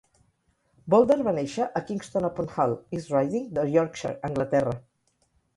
Bolder va néixer a Kingston upon Hull, East Riding de Yorkshire, Anglaterra.